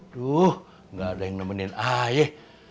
aduh nggak ada yang nemenin aye